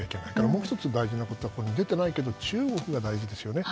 もう１つ大事なことはここには出ていないけど中国が大事ですよね。